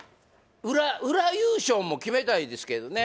裏優勝も決めたいですけどね